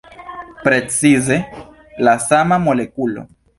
Precize la sama molekulo.